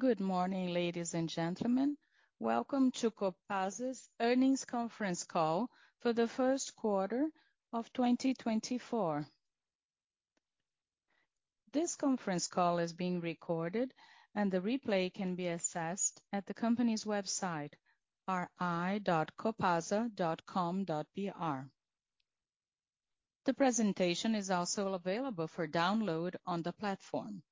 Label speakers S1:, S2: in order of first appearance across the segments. S1: Good morning, ladies and gentlemen. Welcome to Copasa's Earnings Conference Call for the First Quarter of 2024. This conference call is being recorded, and the replay can be accessed at the company's website, ri.copasa.com.br. The presentation is also available for download on the platform.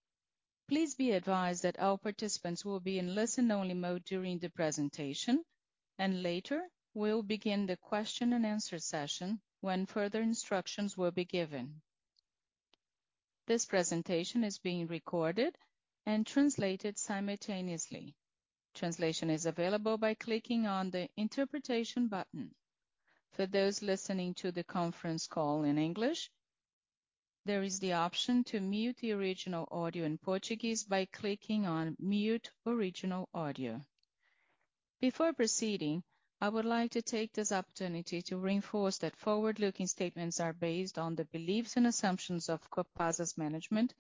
S1: Please be advised that all participants will be in listen-only mode during the presentation, and later we'll begin the question-and-answer session when further instructions will be given. This presentation is being recorded and translated simultaneously. Translation is available by clicking on the Interpretation button. For those listening to the conference call in English, there is the option to mute the original audio in Portuguese by clicking on Mute Original Audio. Before proceeding, I would like to take this opportunity to reinforce that forward-looking statements are based on the beliefs and assumptions of Copasa's management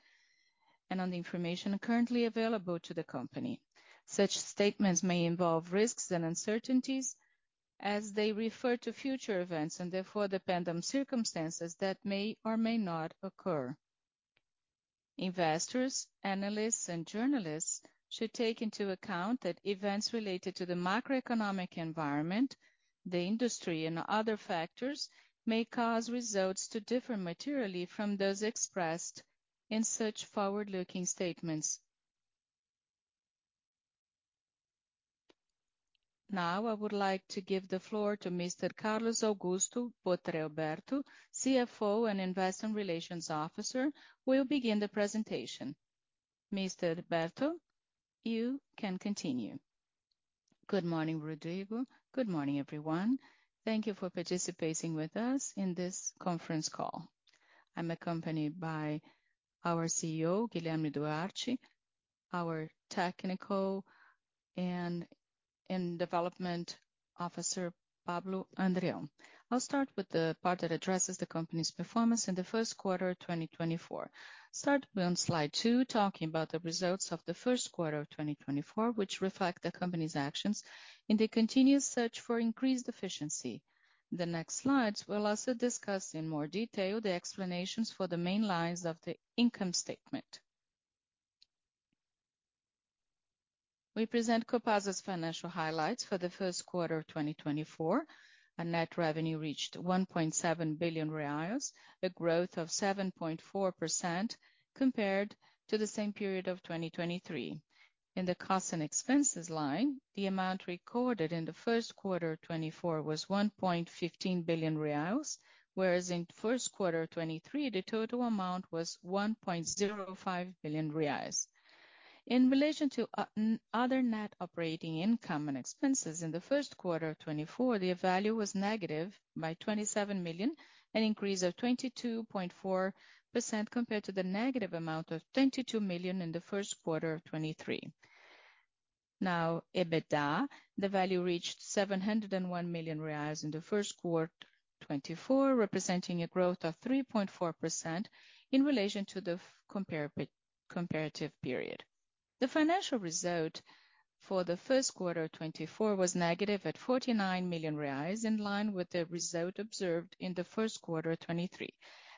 S1: and on the information currently available to the company. Such statements may involve risks and uncertainties as they refer to future events, and therefore depend on circumstances that may or may not occur. Investors, analysts, and journalists should take into account that events related to the macroeconomic environment, the industry, and other factors may cause results to differ materially from those expressed in such forward-looking statements. Now, I would like to give the floor to Mr. Carlos Augusto Botrel Berto, CFO and Investor Relations Officer, will begin the presentation. Mr. Berto, you can continue.
S2: Good morning, Rodrigo. Good morning, everyone. Thank you for participating with us in this conference call. I'm accompanied by our CEO, Guilherme Duarte, our Technical and Development Officer, Pablo Andreão. I'll start with the part that addresses the company's performance in the first quarter of 2024. Start we on slide two, talking about the results of the first quarter of 2024, which reflect the company's actions in the continuous search for increased efficiency. The next slides will also discuss in more detail the explanations for the main lines of the income statement. We present Copasa's financial highlights for the first quarter of 2024, and net revenue reached 1.7 billion reais, a growth of 7.4% compared to the same period of 2023. In the costs and expenses line, the amount recorded in the first quarter of 2024 was 1.15 billion reais, whereas in first quarter of 2023, the total amount was 1.05 billion reais. In relation to other net operating income and expenses in the first quarter of 2024, the value was negative by 27 million, an increase of 22.4% compared to the negative amount of 22 million in the first quarter of 2023. Now, EBITDA, the value reached 701 million reais reals in the first quarter of 2024, representing a growth of 3.4% in relation to the comparative period. The financial result for the first quarter of 2024 was negative at 49 million reais reals, in line with the result observed in the first quarter of 2023.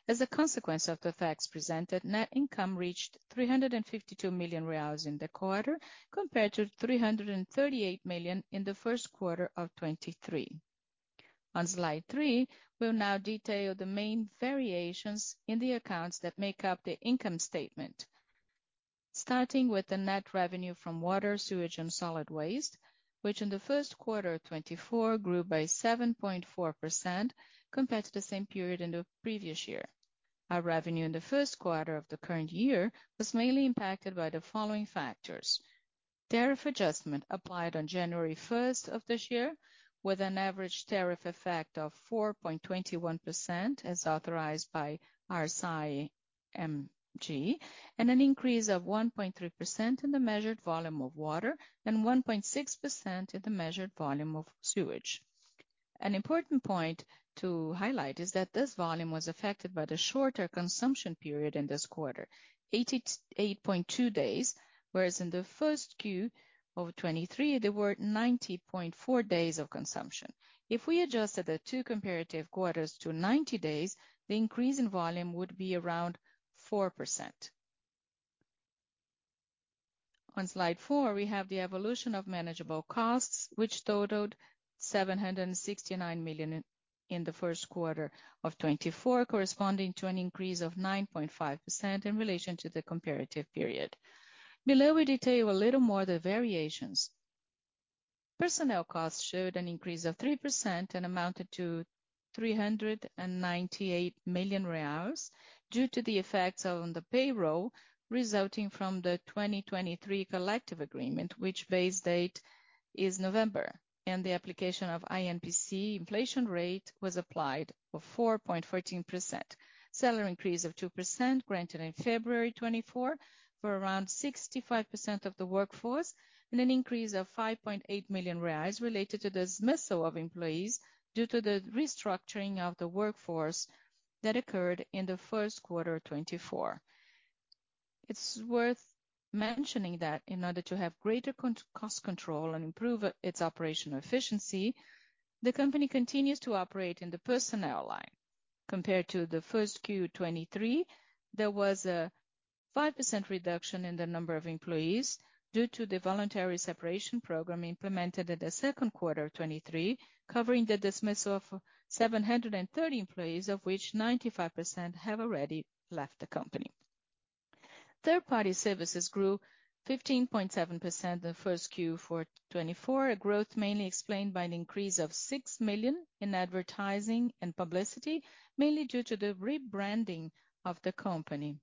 S2: As a consequence of the facts presented, net income reached 352 million reals in the quarter, compared to 338 million in the first quarter of 2023. On slide three, we'll now detail the main variations in the accounts that make up the income statement. Starting with the net revenue from water, sewage, and solid waste, which in the first quarter of 2024 grew by 7.4% compared to the same period in the previous year. Our revenue in the first quarter of the current year was mainly impacted by the following factors: tariff adjustment applied on January first of this year, with an average tariff effect of 4.21%, as authorized by our Arsae-MG, and an increase of 1.3% in the measured volume of water, and 1.6% in the measured volume of sewage. An important point to highlight is that this volume was affected by the shorter consumption period in this quarter, 88.2 days, whereas in the first Q of 2023, there were 90.4 days of consumption. If we adjusted the two comparative quarters to 90 days, the increase in volume would be around 4%. On slide 4, we have the evolution of manageable costs, which totaled BRL 769 million in the first quarter of 2024, corresponding to an increase of 9.5% in relation to the comparative period. Below, we detail a little more the variations. Personnel costs showed an increase of 3% and amounted to 398 million reais due to the effects on the payroll, resulting from the 2023 collective agreement, which base date is November, and the application of INPC inflation rate was applied of 4.14%. Salary increase of 2%, granted in February 2024, for around 65% of the workforce, and an increase of 5.8 million reais related to the dismissal of employees due to the restructuring of the workforce that occurred in the first quarter of 2024. It's worth mentioning that in order to have greater cost control and improve its operational efficiency, the company continues to operate in the personnel line. Compared to the first Q 2023, there was a 5% reduction in the number of employees due to the voluntary separation program implemented in the second quarter of 2023, covering the dismissal of 730 employees, of which 95% have already left the company. Third-party services grew 15.7% in the first Q for 2024, a growth mainly explained by an increase of 6 million in advertising and publicity, mainly due to the rebranding of the company.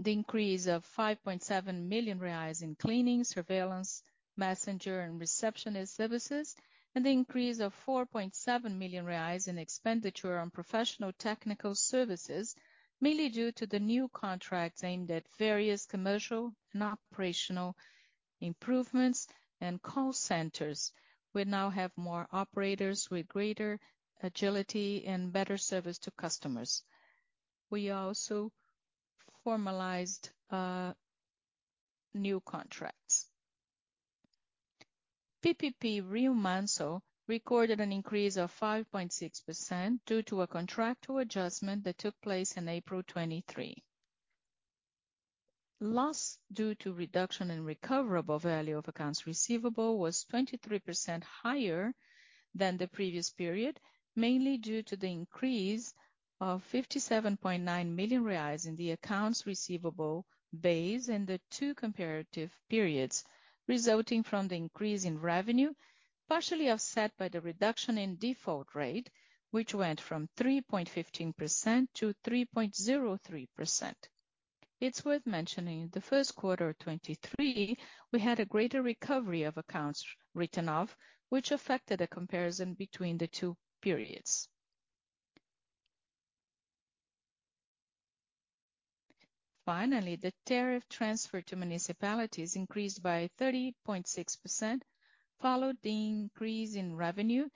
S2: The increase of 5.7 million reais in cleaning, surveillance, messenger, and receptionist services, and the increase of 4.7 million reais in expenditure on professional technical services, mainly due to the new contracts aimed at various commercial and operational improvements and call centers. We now have more operators with greater agility and better service to customers. We also formalized new contracts. PPP Rio Manso recorded an increase of 5.6% due to a contractual adjustment that took place in April 2023. Loss due to reduction in recoverable value of accounts receivable was 23% higher than the previous period, mainly due to the increase of 57.9 million reais in the accounts receivable base in the two comparative periods, resulting from the increase in revenue, partially offset by the reduction in default rate, which went from 3.15%-3.03%. It's worth mentioning, in the first quarter of 2023, we had a greater recovery of accounts written off, which affected a comparison between the two periods. Finally, the tariff transfer to municipalities increased by 30.6%, followed the increase in revenue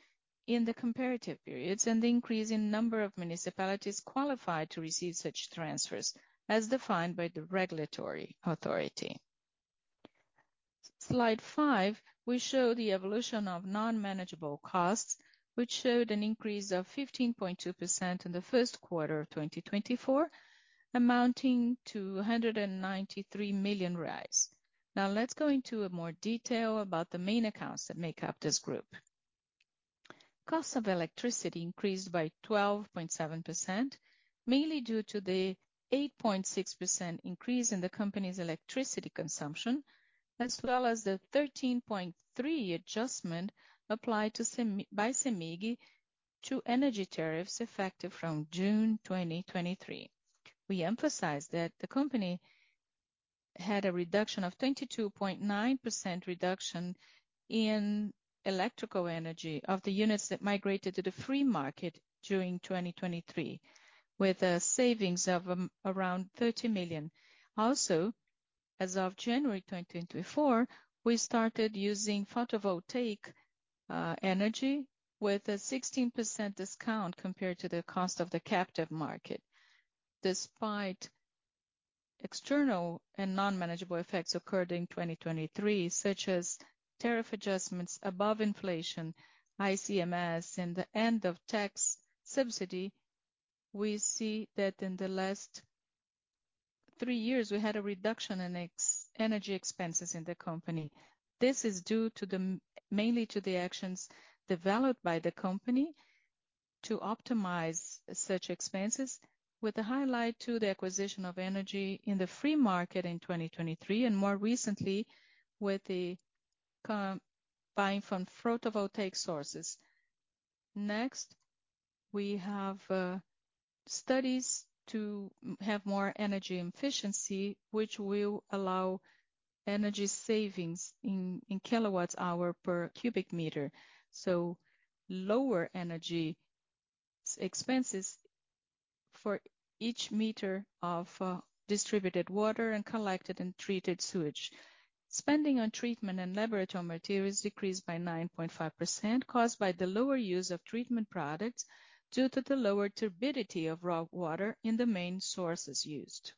S2: in the comparative periods and the increase in number of municipalities qualified to receive such transfers, as defined by the regulatory authority. Slide 5, we show the evolution of non-manageable costs, which showed an increase of 15.2% in the first quarter of 2024, amounting to 193 million reais. Now, let's go into more detail about the main accounts that make up this group. Cost of electricity increased by 12.7%, mainly due to the 8.6% increase in the company's electricity consumption, as well as the 13.3 adjustment applied by Cemig to energy tariffs effective from June 2023. We emphasize that the company had a 22.9% reduction in electrical energy of the units that migrated to the free market during 2023, with a savings of around 30 million. Also, as of January 2024, we started using photovoltaic energy with a 16% discount compared to the cost of the captive market. Despite external and non-manageable effects occurred in 2023, such as tariff adjustments above inflation, ICMS, and the end of tax subsidy, we see that in the last three years, we had a reduction in energy expenses in the company. This is due mainly to the actions developed by the company to optimize such expenses, with a highlight to the acquisition of energy in the free market in 2023, and more recently, with the buying from photovoltaic sources. Next, we have studies to have more energy efficiency, which will allow energy savings in kilowatt hours per cubic meter. So lower energy expenses for each meter of distributed water and collected and treated sewage. Spending on treatment and laboratory materials decreased by 9.5%, caused by the lower use of treatment products due to the lower turbidity of raw water in the main sources used.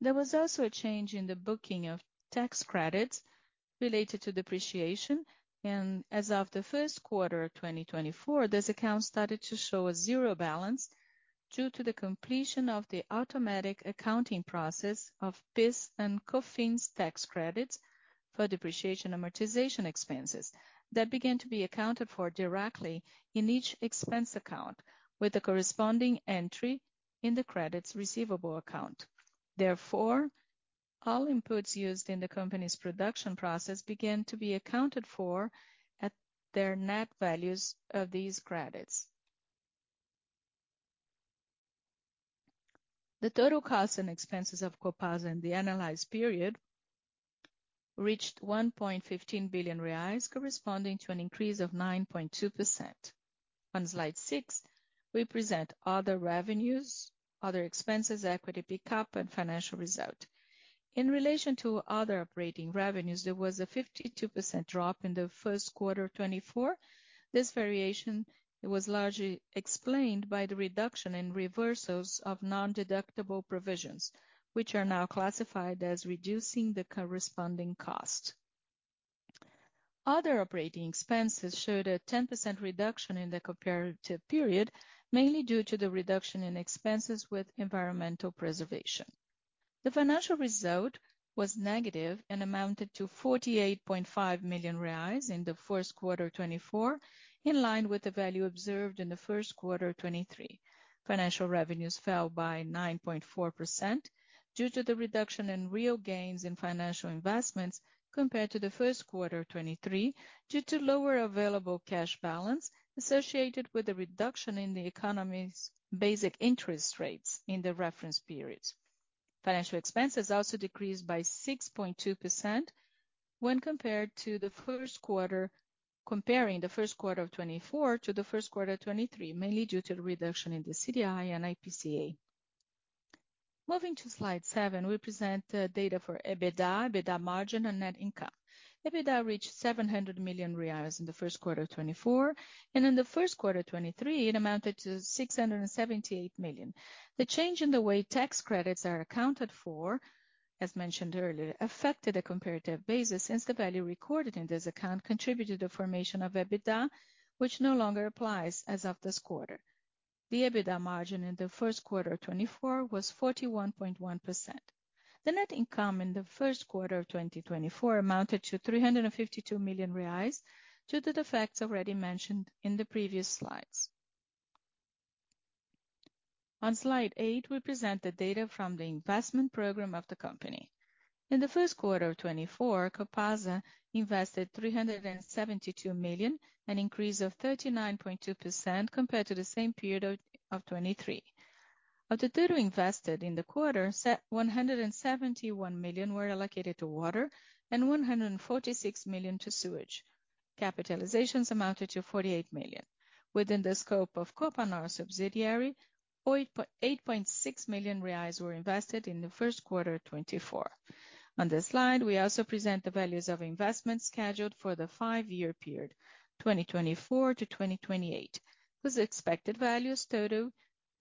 S2: There was also a change in the booking of tax credits related to depreciation, and as of the first quarter of 2024, this account started to show a 0 balance due to the completion of the automatic accounting process of PIS and COFINS tax credits for depreciation amortization expenses that began to be accounted for directly in each expense account, with a corresponding entry in the credits receivable account. Therefore, all inputs used in the company's production process began to be accounted for at their net values of these credits. The total costs and expenses of Copasa in the analyzed period reached 1.15 billion reais, corresponding to an increase of 9.2%. On Slide 6, we present other revenues, other expenses, equity pick-up, and financial result. In relation to other operating revenues, there was a 52% drop in the first quarter of 2024. This variation was largely explained by the reduction in reversals of non-deductible provisions, which are now classified as reducing the corresponding cost. Other operating expenses showed a 10% reduction in the comparative period, mainly due to the reduction in expenses with environmental preservation. The financial result was negative and amounted to 48.5 million reais in the first quarter of 2024, in line with the value observed in the first quarter of 2023. Financial revenues fell by 9.4% due to the reduction in real gains in financial investments compared to the first quarter of 2023, due to lower available cash balance associated with the reduction in the economy's basic interest rates in the reference periods. Financial expenses also decreased by 6.2% when compared to the first quarter of 2023, mainly due to the reduction in the CDI and IPCA. Moving to slide 7, we present the data for EBITDA, EBITDA margin and net income. EBITDA reached 700 million reais in the first quarter of 2024, and in the first quarter of 2023, it amounted to 678 million. The change in the way tax credits are accounted for, as mentioned earlier, affected a comparative basis, since the value recorded in this account contributed to the formation of EBITDA, which no longer applies as of this quarter. The EBITDA margin in the first quarter of 2024 was 41.1%. The net income in the first quarter of 2024 amounted to 352 million reais, due to the facts already mentioned in the previous slides. On slide eight, we present the data from the investment program of the company. In the first quarter of 2024, Copasa invested 372 million, an increase of 39.2% compared to the same period of twenty-three. Of the total invested in the quarter, one hundred and seventy-one million were allocated to water and one hundred and forty-six million to sewage. Capitalizations amounted to forty-eight million. Within the scope of Copanor subsidiary, 8.6 million reais were invested in the first quarter of 2024. On this slide, we also present the values of investments scheduled for the five-year period, 2024 to 2028, whose expected values total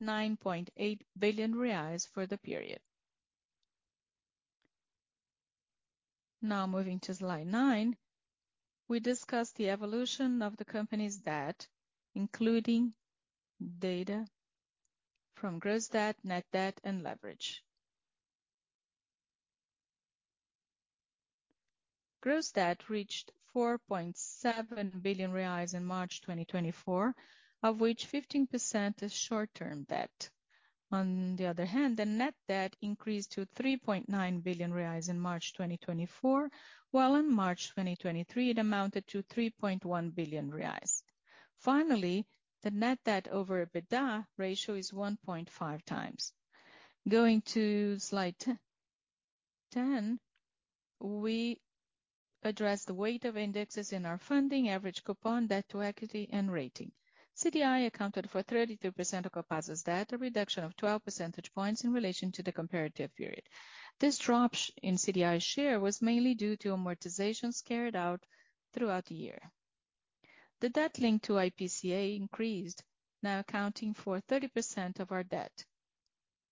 S2: 9.8 billion reais for the period. Now, moving to slide nine, we discuss the evolution of the company's debt, including data from gross debt, net debt, and leverage. Gross debt reached 4.7 billion reais in March 2024, of which 15% is short-term debt. On the other hand, the net debt increased to 3.9 billion reais in March 2024, while in March 2023, it amounted to 3.1 billion reais. Finally, the net debt over EBITDA ratio is 1.5 times. Going to slide 10, we address the weight of indexes in our funding, average coupon, debt to equity, and rating. CDI accounted for 32% of Copasa's debt, a reduction of 12 percentage points in relation to the comparative period. This drop in CDI share was mainly due to amortizations carried out throughout the year. The debt linked to IPCA increased, now accounting for 30% of our debt.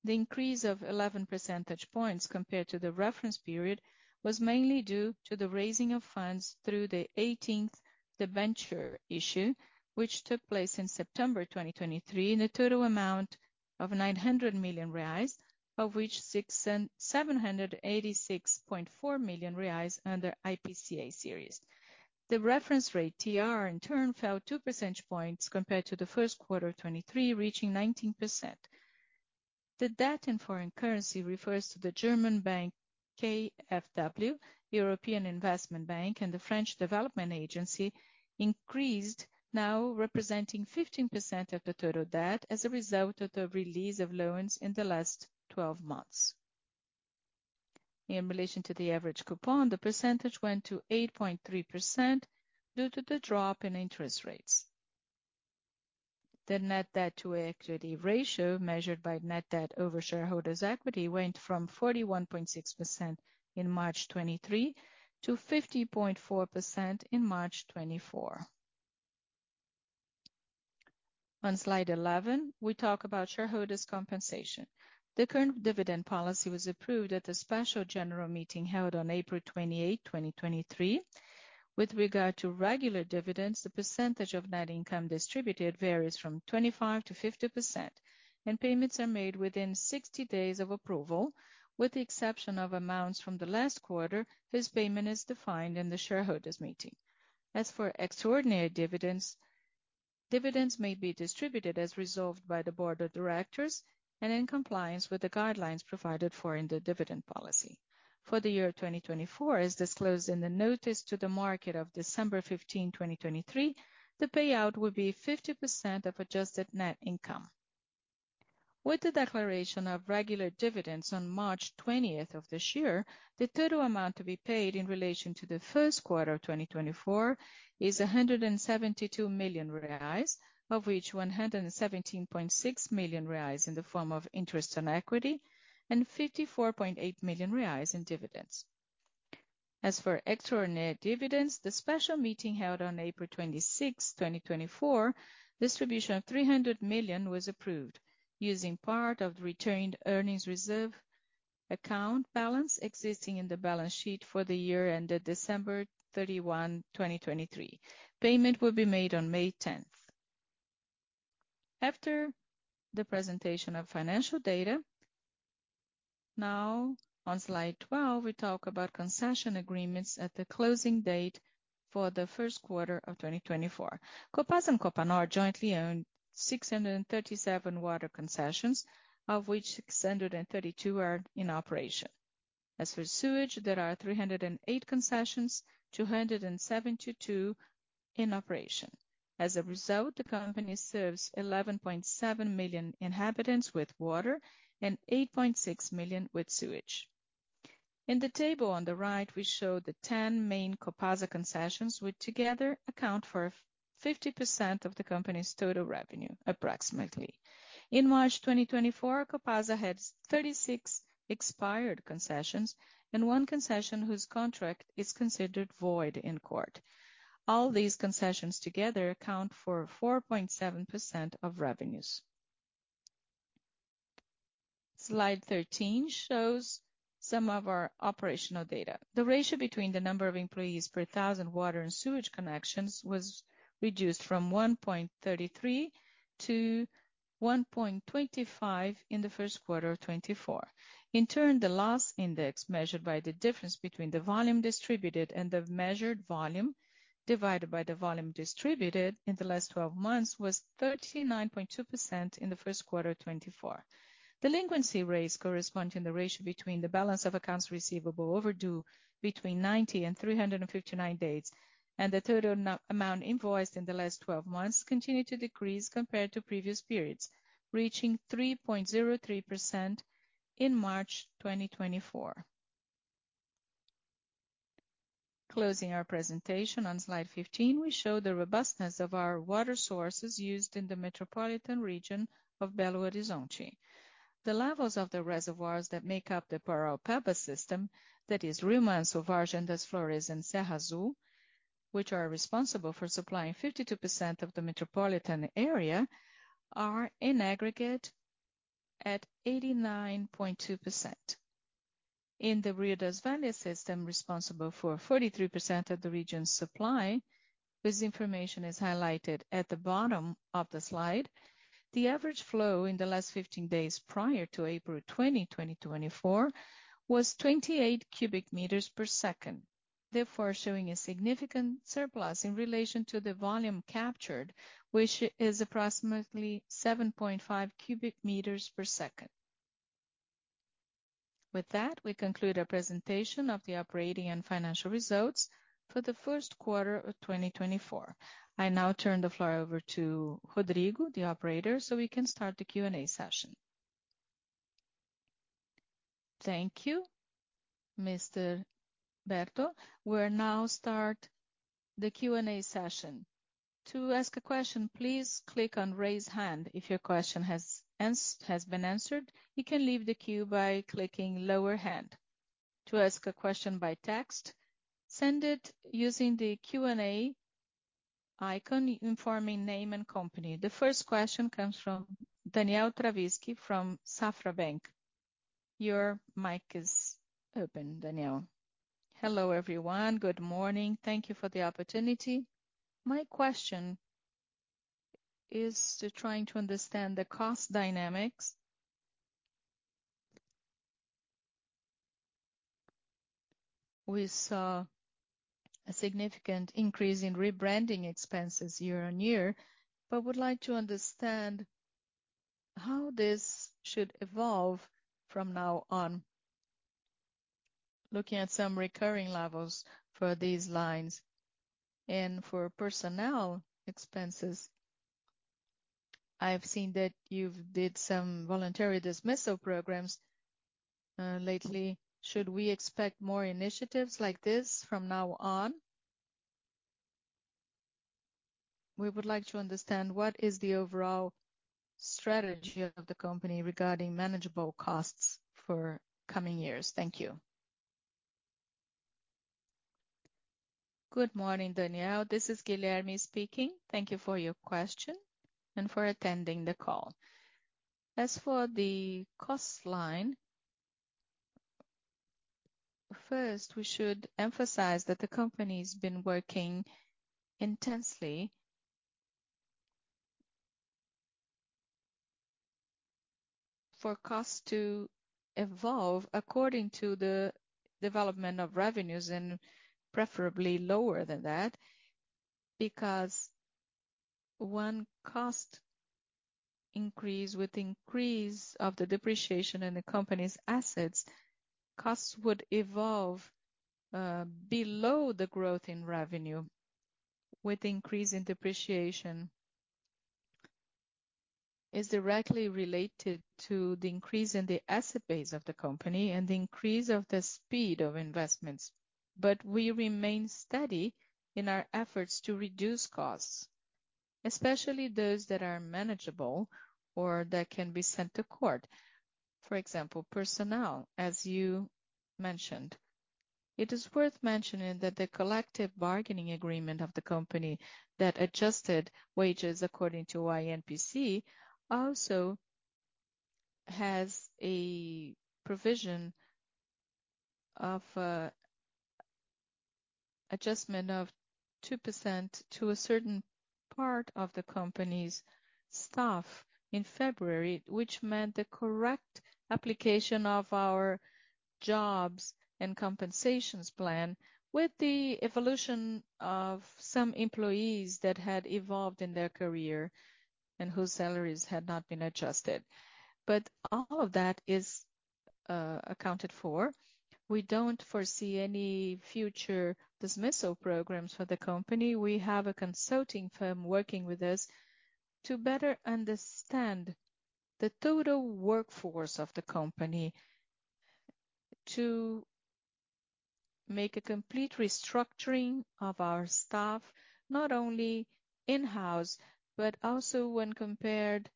S2: The increase of 11 percentage points compared to the reference period was mainly due to the raising of funds through the 18th debenture issue, which took place in September 2023, in a total amount of 900 million reais, of which 678.4 million reais under IPCA series. The reference rate, TR, in turn, fell 2 percentage points compared to the first quarter of 2023, reaching 19%. The debt in foreign currency refers to the German bank, KfW, European Investment Bank, and the French Development Agency increased, now representing 15% of the total debt as a result of the release of loans in the last twelve months. In relation to the average coupon, the percentage went to 8.3% due to the drop in interest rates.
S1: The net debt to equity ratio, measured by net debt over shareholders' equity, went from 41.6% in March 2023 to 50.4% in March 2024. On Slide 11, we talk about shareholders' compensation. The current dividend policy was approved at the special general meeting held on April 28, 2023. With regard to regular dividends, the percentage of net income distributed varies from 25%-50%, and payments are made within 60 days of approval, with the exception of amounts from the last quarter. This payment is defined in the shareholders' meeting. As for extraordinary dividends, dividends may be distributed as resolved by the board of directors and in compliance with the guidelines provided for in the dividend policy. For the year 2024, as disclosed in the notice to the market of December 15, 2023, the payout will be 50% of adjusted net income. With the declaration of regular dividends on March 20 of this year, the total amount to be paid in relation to the first quarter of 2024 is 172 million reais, of which 117.6 million reais in the form of interest on equity and 54.8 million reais in dividends. As for extraordinary dividends, the special meeting held on April 26, 2024, distribution of 300 million was approved, using part of the retained earnings reserve account balance existing in the balance sheet for the year ended December 31, 2023. Payment will be made on May 10th. After the presentation of financial data, now on slide 12, we talk about concession agreements at the closing date for the first quarter of 2024. Copasa and Copanor jointly own 637 water concessions, of which 632 are in operation. As for sewage, there are 308 concessions, 272 in operation. As a result, the company serves 11.7 million inhabitants with water and 8.6 million with sewage. In the table on the right, we show the 10 main Copasa concessions, which together account for 50% of the company's total revenue, approximately. In March 2024, Copasa had 36 expired concessions and one concession whose contract is considered void in court. All these concessions together account for 4.7% of revenues. Slide 13 shows some of our operational data. The ratio between the number of employees per thousand water and sewage connections was reduced from 1.33 to 1.25 in the first quarter of 2024. In turn, the last index, measured by the difference between the volume distributed and the measured volume, divided by the volume distributed in the last twelve months, was 39.2% in the first quarter of 2024. Delinquency rates corresponding to the ratio between the balance of accounts receivable overdue between 90 and 359 days, and the total amount invoiced in the last twelve months, continued to decrease compared to previous periods, reaching 3.03% in March 2024. Closing our presentation on Slide 15, we show the robustness of our water sources used in the metropolitan region of Belo Horizonte. The levels of the reservoirs that make up the Paraopeba system, that is, Rio Manso, Vargem das Flores, and Serra Azul, which are responsible for supplying 52% of the metropolitan area, are in aggregate at 89.2%. In the Rio das Velhas system, responsible for 43% of the region's supply, this information is highlighted at the bottom of the slide. The average flow in the last 15 days prior to April 20, 2024, was 28 cubic meters per second, therefore, showing a significant surplus in relation to the volume captured, which is approximately 7.5 cubic meters per second. With that, we conclude our presentation of the operating and financial results for the first quarter of 2024. I now turn the floor over to Rodrigo, the operator, so we can start the Q&A session. Thank you, Mr. Berto. We're now starting the Q&A session. To ask a question, please click on Raise Hand. If your question has been answered, you can leave the queue by clicking Lower Hand. To ask a question by text, send it using the Q&A icon, informing name and company. The first question comes from Daniel Travitzky from Safra Bank. Your mic is open, Daniel.
S2: Hello, everyone. Good morning. Thank you for the opportunity. My question is to trying to understand the cost dynamics. We saw a significant increase in rebranding expenses year-over-year, but would like to understand how this should evolve from now on, looking at some recurring levels for these lines. For personnel expenses, I've seen that you've done some voluntary dismissal programs lately. Should we expect more initiatives like this from now on? We would like to understand what is the overall strategy of the company regarding manageable costs for coming years. Thank you. Good morning, Daniel. This is Guilherme speaking. Thank you for your question and for attending the call. As for the cost line, first, we should emphasize that the company's been working intensely for cost to evolve according to the development of revenues, and preferably lower than that, because when cost increase with increase of the depreciation in the company's assets, costs would evolve, below the growth in revenue, with increase in depreciation, is directly related to the increase in the asset base of the company and the increase of the speed of investments. But we remain steady in our efforts to reduce costs.... especially those that are manageable or that can be sent to court, for example, personnel, as you mentioned. It is worth mentioning that the collective bargaining agreement of the company that adjusted wages according to INPC also has a provision of adjustment of 2% to a certain part of the company's staff in February, which meant the correct application of our jobs and compensations plan, with the evolution of some employees that had evolved in their career and whose salaries had not been adjusted. But all of that is accounted for. We don't foresee any future dismissal programs for the company. We have a consulting firm working with us to better understand the total workforce of the company, to make a complete restructuring of our staff, not only in-house, but also when compared,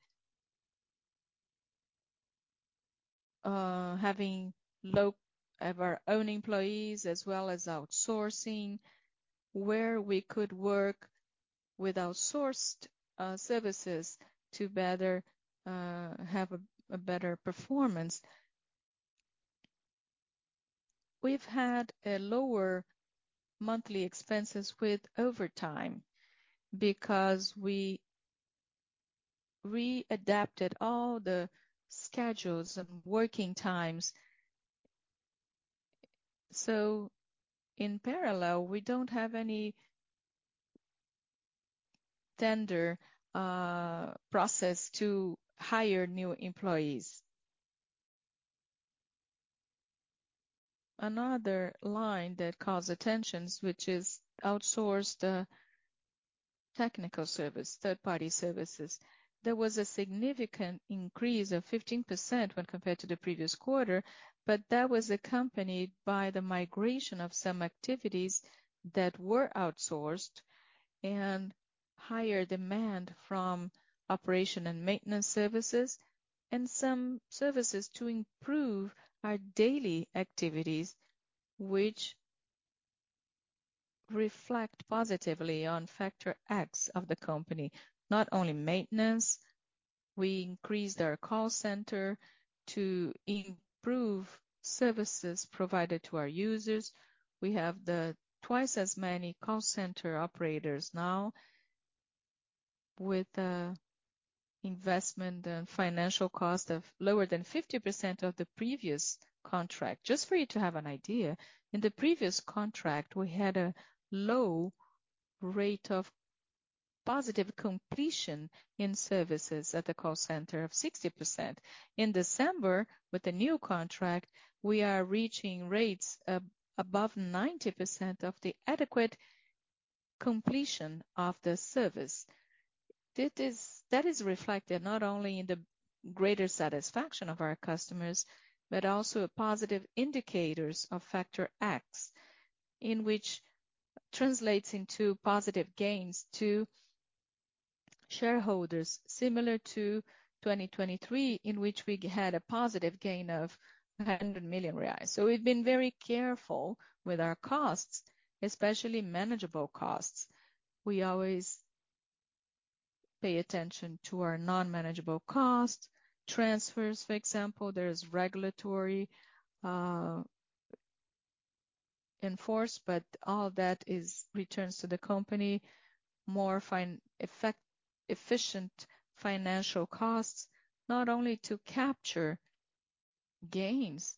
S2: having of our own employees, as well as outsourcing, where we could work with outsourced services to better have a better performance. We've had a lower monthly expenses with overtime because we readapted all the schedules and working times. So in parallel, we don't have any tender process to hire new employees. Another line that causes attention, which is outsourcing the technical service, third-party services. There was a significant increase of 15% when compared to the previous quarter, but that was accompanied by the migration of some activities that were outsourced and higher demand from operation and maintenance services, and some services to improve our daily activities, which reflect positively on Factor X of the company. Not only maintenance, we increased our call center to improve services provided to our users. We have twice as many call center operators now, with investment and financial cost of lower than 50% of the previous contract. Just for you to have an idea, in the previous contract, we had a low rate of positive completion in services at the call center of 60%. In December, with the new contract, we are reaching rates above 90% of the adequate completion of the service. That is, that is reflected not only in the greater satisfaction of our customers, but also positive indicators of Factor X, which translates into positive gains to shareholders, similar to 2023, in which we had a positive gain of 100 million reais. So we've been very careful with our costs, especially manageable costs. We always pay attention to our non-manageable costs. Transfers, for example, there is regulatory enforced, but all that is returns to the company. More efficient financial costs, not only to capture gains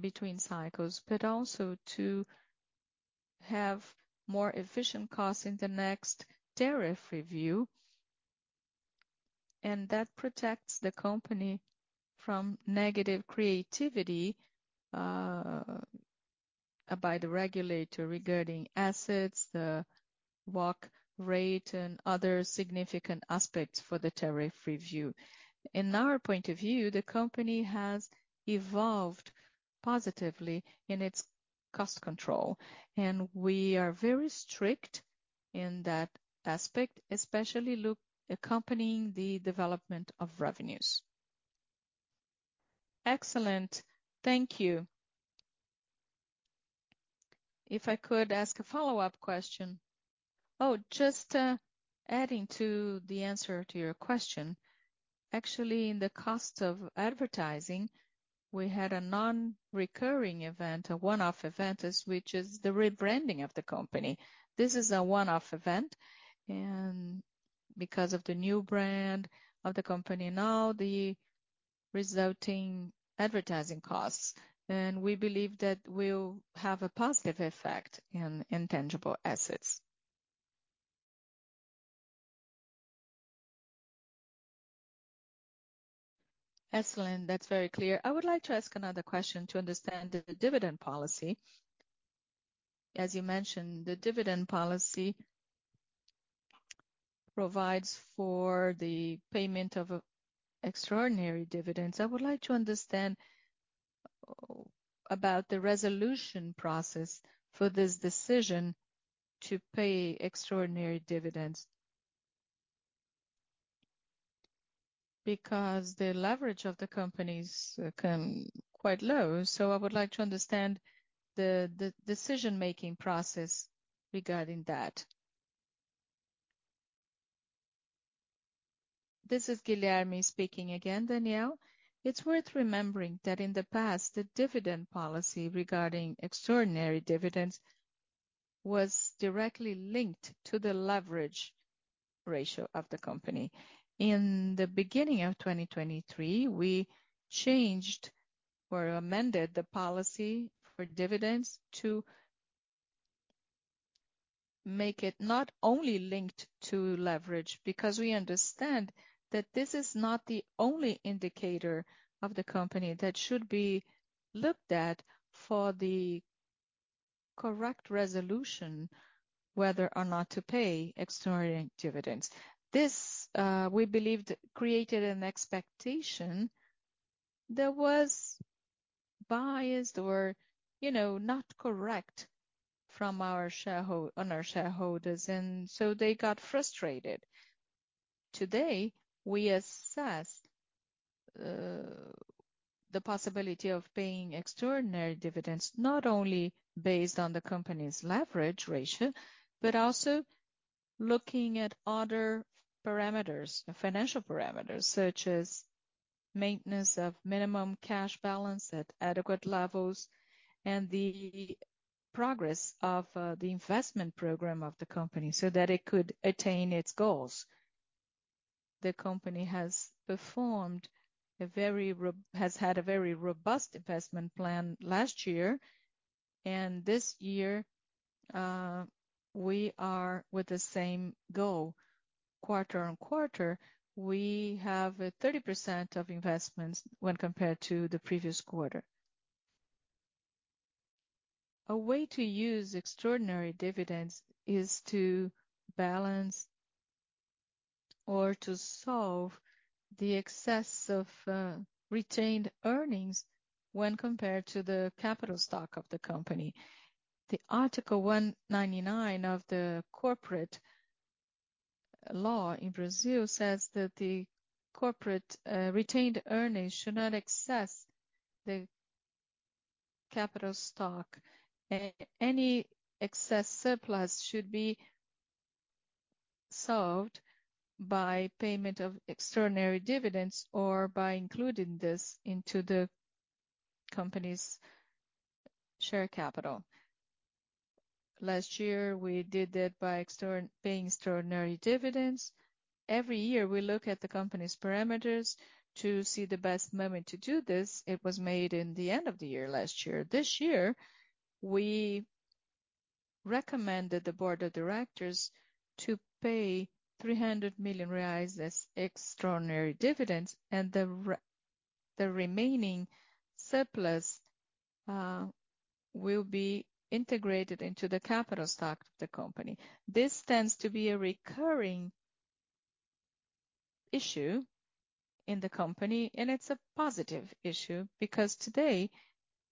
S2: between cycles, but also to have more efficient costs in the next tariff review. And that protects the company from negative creativity by the regulator regarding assets, the WACC rate, and other significant aspects for the tariff review. In our point of view, the company has evolved positively in its cost control, and we are very strict in that aspect, especially looking accompanying the development of revenues. Excellent. Thank you. If I could ask a follow-up question. Oh, just, adding to the answer to your question. Actually, in the cost of advertising, we had a non-recurring event, a one-off event, which is the rebranding of the company. This is a one-off event, and because of the new brand of the company now, the resulting advertising costs, and we believe that will have a positive effect in intangible assets. Excellent. That's very clear. I would like to ask another question to understand the dividend policy. As you mentioned, the dividend policy provides for the payment of extraordinary dividends. I would like to understand about the resolution process for this decision to pay extraordinary dividends. Because the leverage of the companies become quite low, so I would like to understand the decision-making process regarding that. This is Guilherme speaking again, Daniel. It's worth remembering that in the past, the dividend policy regarding extraordinary dividends was directly linked to the leverage ratio of the company. In the beginning of 2023, we changed or amended the policy for dividends to make it not only linked to leverage, because we understand that this is not the only indicator of the company that should be looked at for the correct resolution, whether or not to pay extraordinary dividends. This, we believed, created an expectation that was biased or, you know, not correct from our shareho- on our shareholders, and so they got frustrated. Today, we assess the possibility of paying extraordinary dividends, not only based on the company's leverage ratio, but also looking at other parameters, financial parameters, such as maintenance of minimum cash balance at adequate levels and the progress of the investment program of the company so that it could attain its goals. The company has had a very robust investment plan last year, and this year, we are with the same goal. Quarter on quarter, we have a 30% of investments when compared to the previous quarter. A way to use extraordinary dividends is to balance or to solve the excess of retained earnings when compared to the capital stock of the company. The Article 199 of the corporate law in Brazil says that the corporate retained earnings should not exceed the capital stock. Any excess surplus should be solved by payment of extraordinary dividends or by including this into the company's share capital. Last year, we did that by paying extraordinary dividends. Every year, we look at the company's parameters to see the best moment to do this. It was made in the end of the year, last year. This year, we recommended the board of directors to pay 300 million reais as extraordinary dividends, and the remaining surplus will be integrated into the capital stock of the company. This tends to be a recurring issue in the company, and it's a positive issue because today,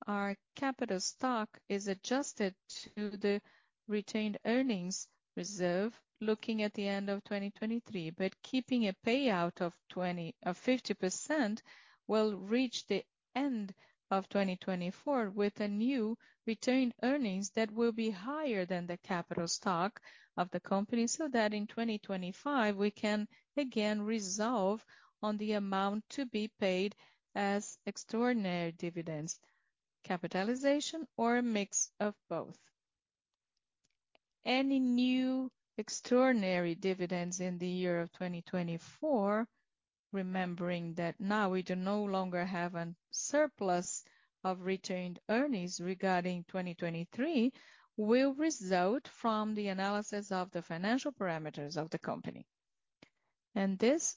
S2: our capital stock is adjusted to the retained earnings reserve, looking at the end of 2023. But keeping a payout of 50% will reach the end of 2024 with a new retained earnings that will be higher than the capital stock of the company, so that in 2025, we can again resolve on the amount to be paid as extraordinary dividends, capitalization or a mix of both. Any new extraordinary dividends in the year of 2024, remembering that now we do no longer have a surplus of retained earnings regarding 2023, will result from the analysis of the financial parameters of the company. And this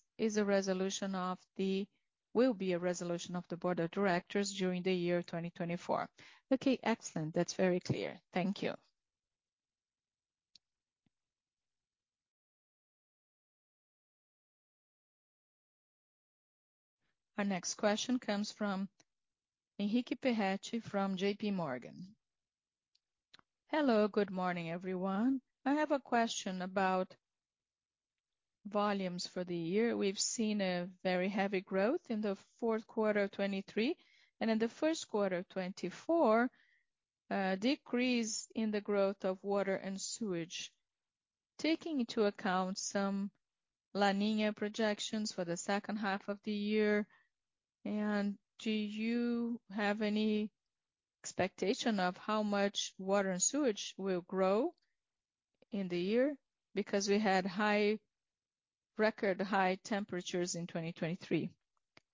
S2: will be a resolution of the board of directors during the year 2024. Okay, excellent. That's very clear.
S1: Thank you. Our next question comes from Henrique Peretti from J.P. Morgan.
S2: Hello, good morning, everyone. I have a question about volumes for the year. We've seen a very heavy growth in the fourth quarter of 2023, and in the first quarter of 2024, a decrease in the growth of water and sewage. Taking into account some La Niña projections for the second half of the year, and do you have any expectation of how much water and sewage will grow in the year? Because we had record high temperatures in 2023.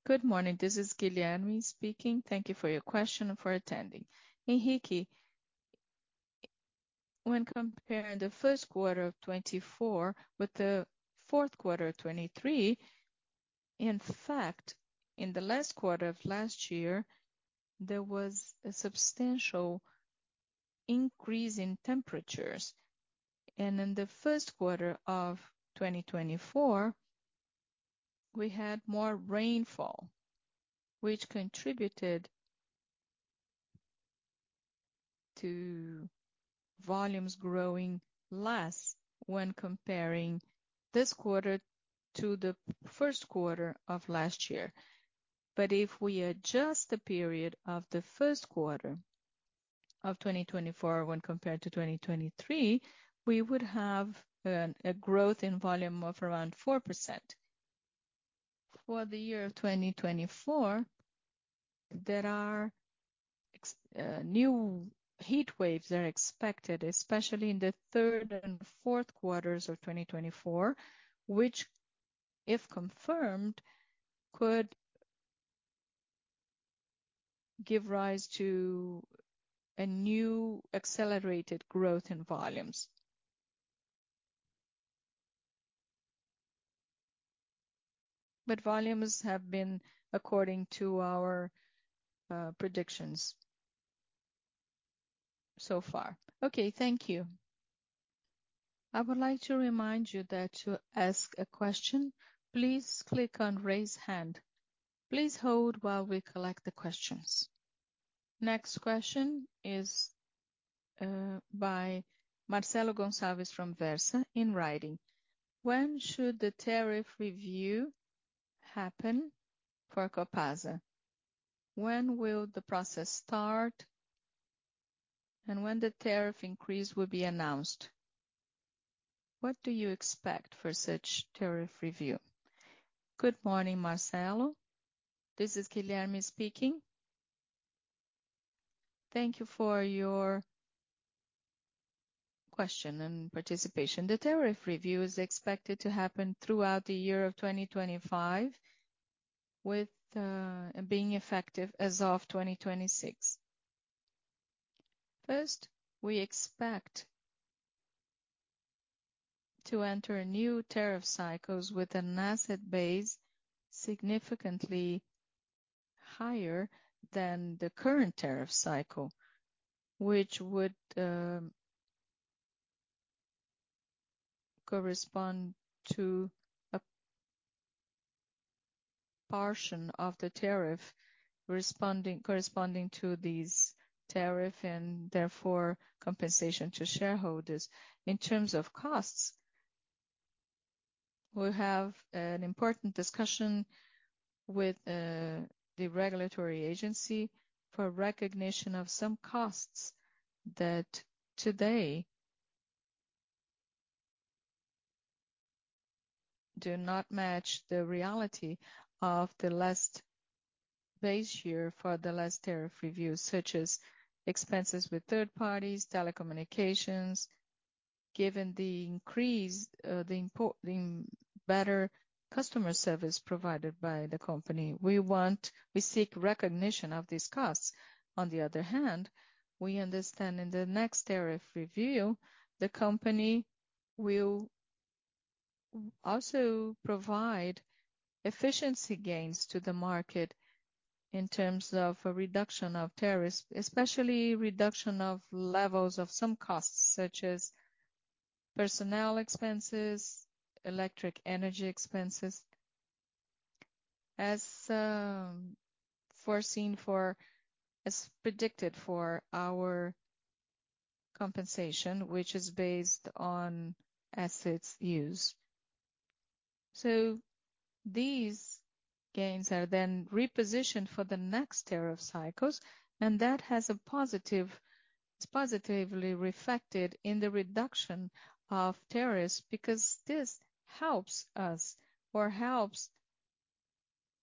S2: Good morning. This is Guilherme speaking. Thank you for your question and for attending. Henrique, when comparing the first quarter of 2024 with the fourth quarter of 2023, in fact, in the last quarter of last year, there was a substantial increase in temperatures, and in the first quarter of 2024, we had more rainfall, which contributed to volumes growing less when comparing this quarter to the first quarter of last year. But if we adjust the period of the first quarter of 2024 when compared to 2023, we would have a growth in volume of around 4%. For the year of 2024, new heat waves are expected, especially in the third and fourth quarters of 2024, which, if confirmed, could give rise to a new accelerated growth in volumes. But volumes have been according to our predictions so far. Okay, thank you. I would like to remind you that to ask a question, please click on Raise Hand. Please hold while we collect the questions.
S1: Next question is by Marcelo Gonzalez from Versa, in writing: When should the tariff review happen for Copasa? When will the process start, and when the tariff increase will be announced? What do you expect for such tariff review?
S2: Good morning, Marcelo. This is Guilherme speaking. Thank you for your question and participation. The tariff review is expected to happen throughout the year of 2025, with being effective as of 2026. First, we expect to enter new tariff cycles with an asset base significantly higher than the current tariff cycle, which would correspond to a portion of the tariff, corresponding to these tariff and therefore compensation to shareholders. In terms of costs, we'll have an important discussion with the regulatory agency for recognition of some costs that today do not match the reality of the last base year for the last tariff review, such as expenses with third parties, telecommunications. Given the increased, the better customer service provided by the company, we seek recognition of these costs. On the other hand, we understand in the next tariff review, the company will also provide efficiency gains to the market in terms of a reduction of tariffs, especially reduction of levels of some costs, such as personnel expenses, electric energy expenses, as foreseen for... As predicted for our compensation, which is based on assets used. So these gains are then repositioned for the next tariff cycles, and that has a positive it's positively reflected in the reduction of tariffs, because this helps us or helps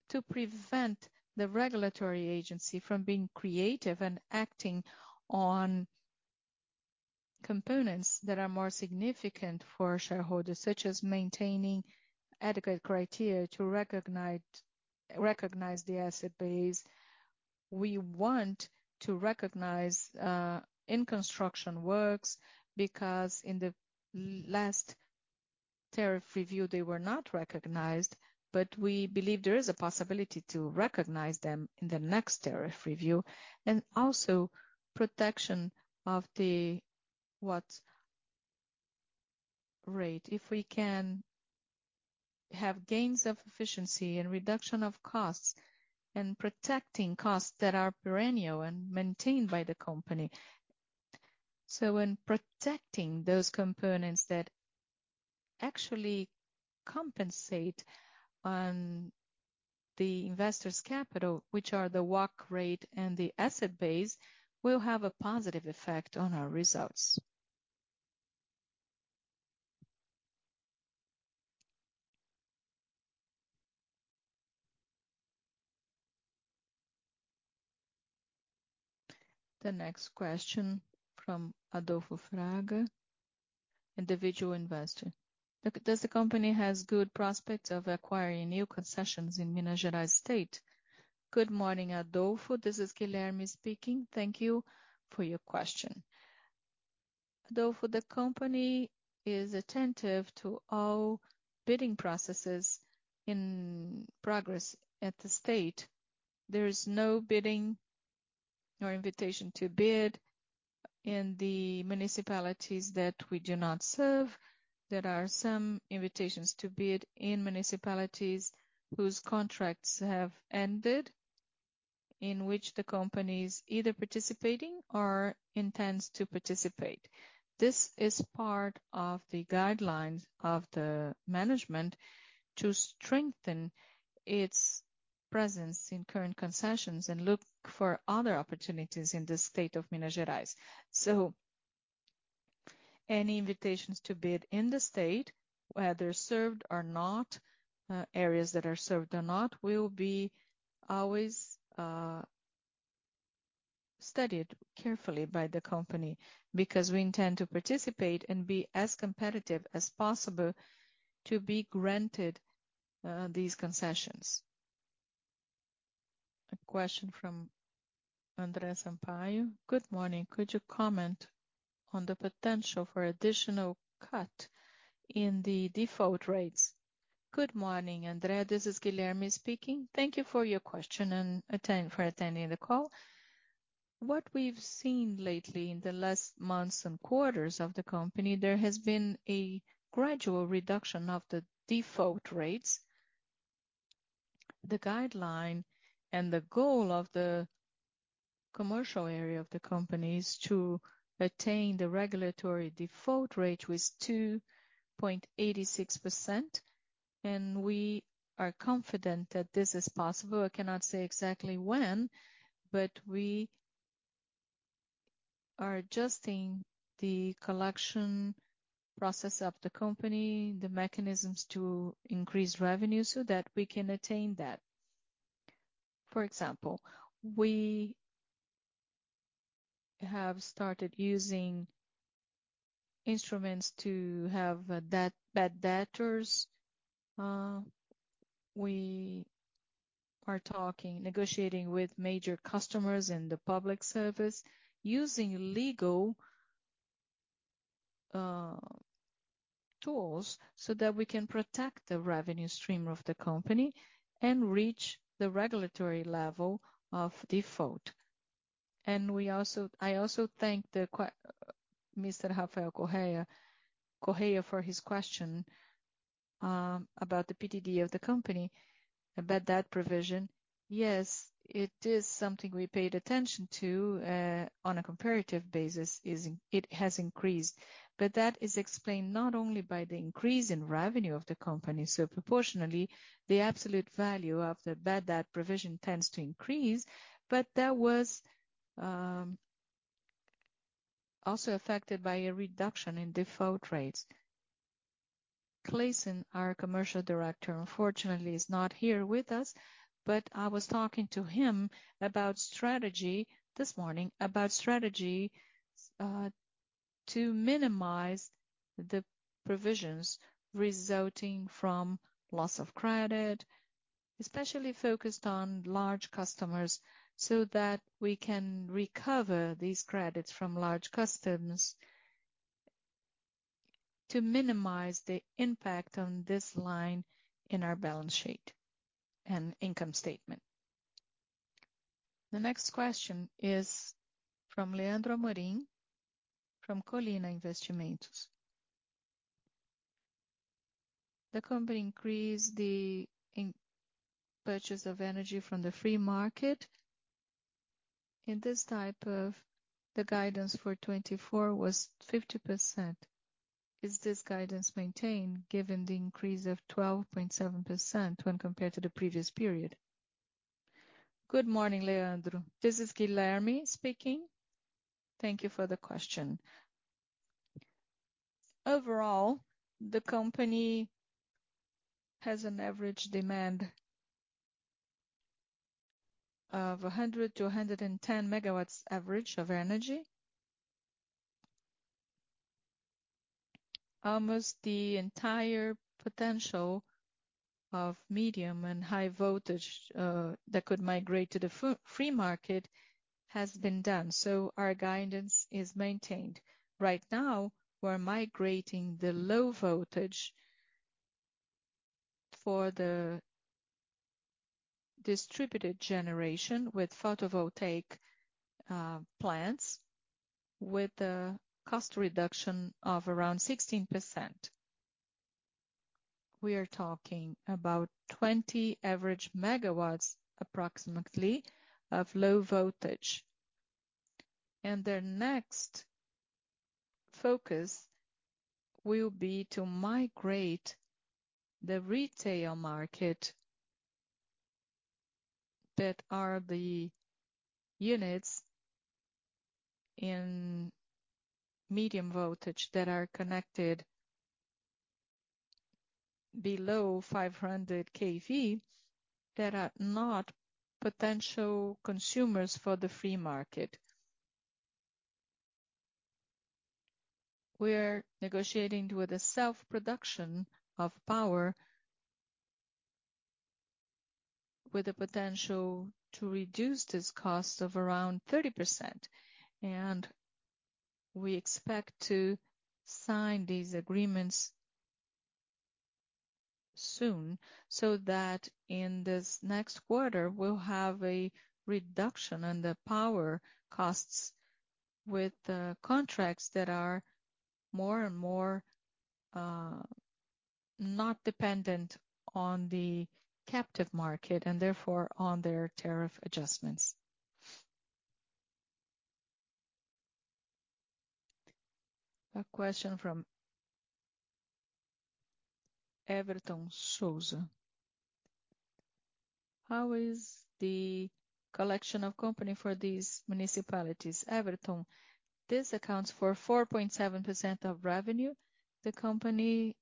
S2: to prevent the regulatory agency from being creative and acting on components that are more significant for shareholders, such as maintaining adequate criteria to recognize the asset base. We want to recognize in construction works, because in the last tariff review, they were not recognized, but we believe there is a possibility to recognize them in the next tariff review, and also protection of the WACC rate. If we can have gains of efficiency and reduction of costs and protecting costs that are perennial and maintained by the company. So when protecting those components that actually compensate on the investor's capital, which are the WACC rate and the asset base, will have a positive effect on our results.
S1: The next question from Adolfo Fraga, individual investor:
S2: Do-does the company has good prospects of acquiring new concessions in Minas Gerais state? Good morning, Adolfo, this is Guilherme speaking. Thank you for your question. Adolfo, the company is attentive to all bidding processes in progress at the state. There is no bidding or invitation to bid in the municipalities that we do not serve. There are some invitations to bid in municipalities whose contracts have ended, in which the company is either participating or intends to participate. This is part of the guidelines of the management to strengthen its presence in current concessions and look for other opportunities in the state of Minas Gerais. So any invitations to bid in the state, whether served or not, areas that are served or not, will be always studied carefully by the company, because we intend to participate and be as competitive as possible to be granted these concessions. A question from Andrea Sampaio: Good morning, could you comment on the potential for additional cut in the default rates? Good morning, Andrea, this is Guilherme speaking. Thank you for your question and for attending the call. What we've seen lately in the last months and quarters of the company, there has been a gradual reduction of the default rates. The guideline and the goal of the commercial area of the company is to attain the regulatory default rate, which was 2.86%, and we are confident that this is possible. I cannot say exactly when, but we are adjusting the collection process of the company, the mechanisms to increase revenue so that we can attain that. For example, we have started using instruments to have debt bad debtors. We are talking, negotiating with major customers in the public service, using legal tools so that we can protect the revenue stream of the company and reach the regulatory level of default. I also thank Mr. Rafael Correa for his question about the PDD of the company. About that provision, yes, it is something we paid attention to on a comparative basis, it has increased. But that is explained not only by the increase in revenue of the company, so proportionally, the absolute value of the bad debt provision tends to increase, but that was also affected by a reduction in default rates. Cleyson, our commercial director, unfortunately, is not here with us, but I was talking to him about strategy this morning, about strategy, to minimize the provisions resulting from loss of credit, especially focused on large customers, so that we can recover these credits from large customers to minimize the impact on this line in our balance sheet and income statement.
S1: The next question is from Leandro Morin, from Colina Investimentos.
S2: The company increased the in-purchase of energy from the free market. In this type of the guidance for 2024 was 50%. Is this guidance maintained, given the increase of 12.7% when compared to the previous period? Good morning, Leandro. This is Guilherme speaking. Thank you for the question. Overall, the company has an average demand of 100-110 MW average of energy. Almost the entire potential of medium and high voltage that could migrate to the free market has been done, so our guidance is maintained. Right now, we're migrating the low voltage for the distributed generation with photovoltaic plants, with a cost reduction of around 16%. We are talking about 20 average megawatts, approximately, of low voltage. And the next focus will be to migrate the retail market, that are the units in medium voltage that are connected below 500 kV, that are not potential consumers for the free market. We're negotiating with the self-production of power, with the potential to reduce this cost of around 30%. We expect to sign these agreements soon, so that in this next quarter, we'll have a reduction on the power costs with the contracts that are more and more not dependent on the captive market, and therefore, on their tariff adjustments. A question from Everton Souza: How is the collection of company for these municipalities? Everton, this accounts for 4.7% of revenue. The company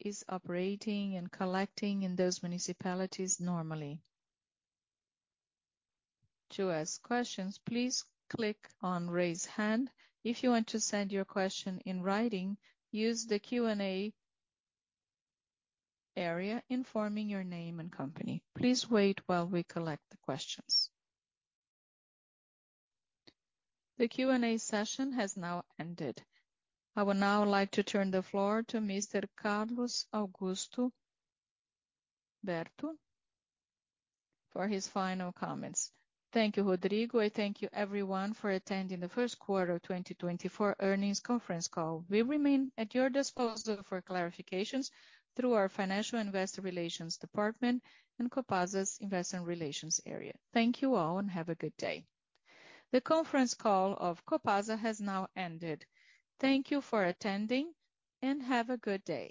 S2: is operating and collecting in those municipalities normally. To ask questions, please click on Raise Hand. If you want to send your question in writing, use the Q&A area, informing your name and company. Please wait while we collect the questions.
S1: The Q&A session has now ended. I would now like to turn the floor to Mr. Carlos Augusto Berto for his final comments.
S2: Thank you, Rodrigo, and thank you everyone for attending the first quarter of 2024 earnings conference call. We remain at your disposal for clarifications through our Financial Investor Relations Department and Copasa's Investment Relations area. Thank you all, and have a good day. The conference call of Copasa has now ended. Thank you for attending, and have a good day.